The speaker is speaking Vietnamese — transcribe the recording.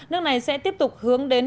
nước này sẽ tiếp tục hướng đến